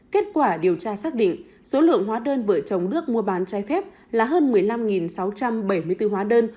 kết quả điều tra xác định số lượng hóa đơn vợ chồng đức mua bán trái phép là hơn một mươi năm sáu trăm bảy mươi bốn hóa đơn